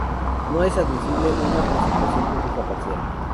No es admisible una presentación pública parcial.